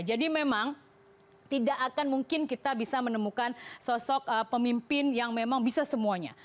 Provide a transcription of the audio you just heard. jadi memang tidak akan mungkin kita bisa menemukan sosok pemimpin yang memang bisa semuanya